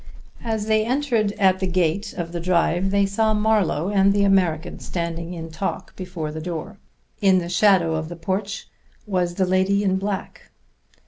As they entered at the gate of the drive they saw Marlowe and the American standing in talk before the front door. In the shadow of the porch was the lady in black.